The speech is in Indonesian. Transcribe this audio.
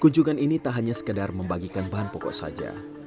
kunjungan ini tak hanya sekedar membagikan bahan pokok saja